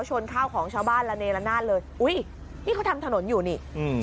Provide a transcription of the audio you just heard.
ชนข้าวของชาวบ้านระเนละนาดเลยอุ้ยนี่เขาทำถนนอยู่นี่อืม